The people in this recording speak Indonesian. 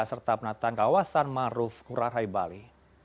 serta penataan kawasan maruf kurarai bali